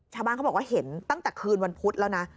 ชาวบ้านเขาบอกว่าเห็นตั้งแต่คืนวันพุธแล้วนะ